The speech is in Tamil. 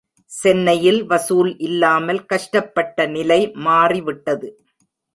சென்னையில் வசூல் இல்லாமல் கஷ்டப்பட்ட நிலை மாறி விட்டது.